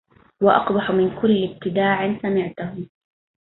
وأقبح من كل ابتداع سمعته